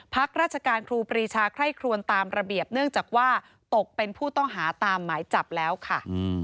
พักราชการครูปรีชาไคร่ครวนตามระเบียบเนื่องจากว่าตกเป็นผู้ต้องหาตามหมายจับแล้วค่ะ